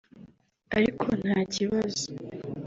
ariko nta kibazo